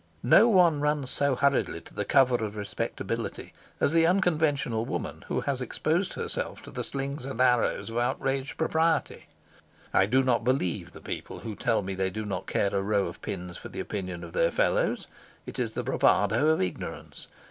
No one runs so hurriedly to the cover of respectability as the unconventional woman who has exposed herself to the slings and arrows of outraged propriety. I do not believe the people who tell me they do not care a row of pins for the opinion of their fellows. It is the bravado of ignorance.